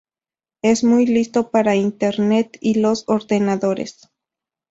Es muy listo para internet y los ordenadores.